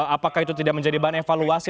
apakah itu tidak menjadi bahan evaluasi